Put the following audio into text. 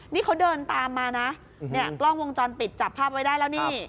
นี่เขาเดินตามมานะเนี่ยกล้องวงจรปิดจับภาพไว้ได้แล้วนี่